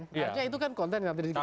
artinya itu kan konten yang nanti kita bisa